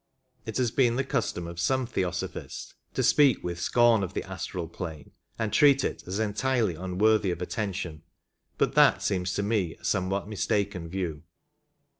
It has been the custom of some Theosophists to speak 5 with scorn of the astral plane, and treat it as entirely un worthy of attention ; but that seems to me a somewhat mistaken view.